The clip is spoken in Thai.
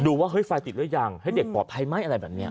ดูว่าไฟติดแล้วยังให้เด็กปลอดภัยไหมอะไรแบบนี้